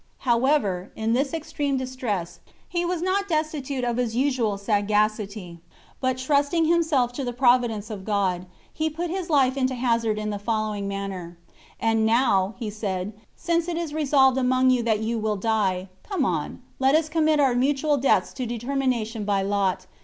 However, in this extreme distress, he was not destitute of his usual sagacity; but trusting himself to the providence of God, he put his life into hazard [in the manner following]: "And now," said he, "since it is resolved among you that you will die, come on, let us commit our mutual deaths to determination by lot.